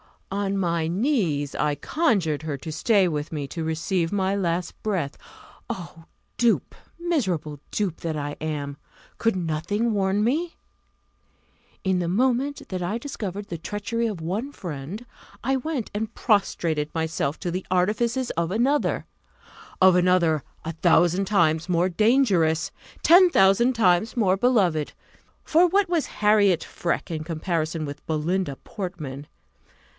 "On my knees I conjured her to stay with me to receive my last breath. Oh, dupe, miserable dupe, that I am! could nothing warn me? In the moment that I discovered the treachery of one friend, I went and prostrated myself to the artifices of another of another a thousand times more dangerous ten thousand times more beloved! For what was Harriot Freke in comparison with Belinda Portman?